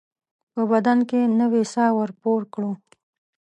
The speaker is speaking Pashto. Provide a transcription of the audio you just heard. په بدن کې نوې ساه ورپو کړو